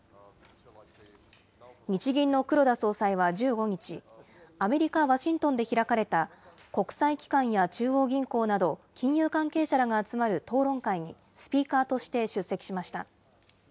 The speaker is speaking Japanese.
日銀の黒田総裁は１５日、アメリカ・ワシントンで開かれた、国際機関や中央銀行など、金融関係者らが集まる討論会にスピーカーとして出席しました。